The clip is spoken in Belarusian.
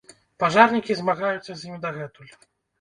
Пажарнікі змагаюцца з ім дагэтуль.